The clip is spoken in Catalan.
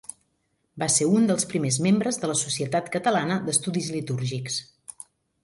Va ser un dels primers membres de la Societat Catalana d'Estudis Litúrgics.